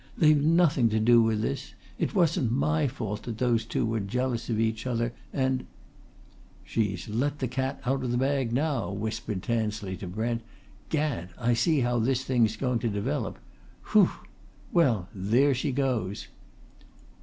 they've nothing to do with this! It wasn't my fault that those two were jealous of each other, and " "She's let the cat out of the bag now!" whispered Tansley to Brent. "Gad! I see how this thing's going to develop! Whew! Well, there she goes!"